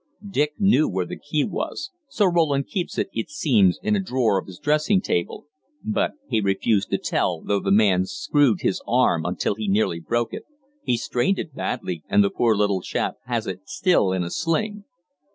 Dick knew where the key was Sir Roland keeps it, it seems, in a drawer of his dressing table but he refused to tell, though the man screwed his arm until he nearly broke it he strained it badly, and the poor little chap has it still in a sling.